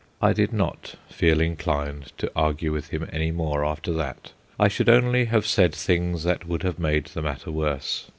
I did not feel inclined to argue with him any more after that; I should only have said things that would have made the matter worse.